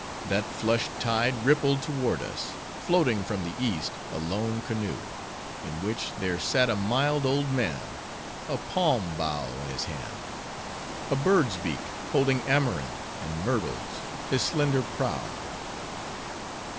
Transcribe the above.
That flushed tide rippled toward us; floating from the east, a lone canoe; in which, there sat a mild, old man; a palm bough in his hand: a bird's beak, holding amaranth and myrtles, his slender prow.